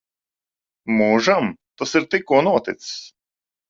Mūžam? Tas ir tikko noticis.